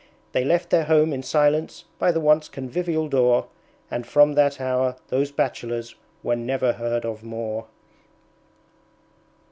They left their home in silence by the once convivial door; And from that hour those Bachelors were never heard of more.